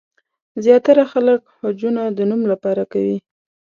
زیاتره خلک حجونه د نوم لپاره کوي.